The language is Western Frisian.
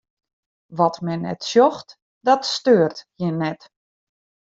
Wat men net sjocht, dat steurt jin net.